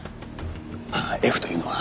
あっＦというのは。